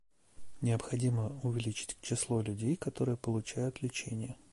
Необходимо увеличить число людей, которые получают лечение.